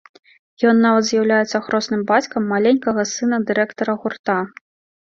Ён нават з'яўляецца хросным бацькам маленькага сына дырэктара гурта.